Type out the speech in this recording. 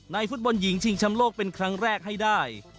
ฟุตบอลหญิงชิงชำโลกเป็นครั้งแรกให้ได้